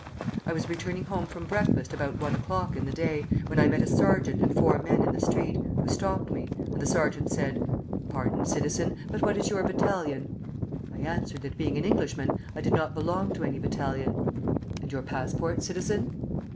I was returning home from breakfast about one o'clock in the day, when I met a sergeant and four men in the street, who stopped me, and the sergeant said: 'Pardon, Citizen, but what is your battalion?' I answered that, being an Englishman, I did not belong to any battalion. 'And your passport, Citizen?'